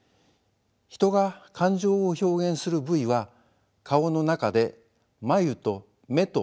人が感情を表現する部位は顔の中で眉と目と口の３つです。